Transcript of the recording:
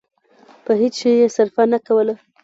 په هېڅ شي يې صرفه نه کوله.